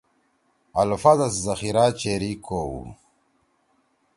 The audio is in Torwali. الفاظا سی ذخیرہ (Vocabulary) چیری کؤ۔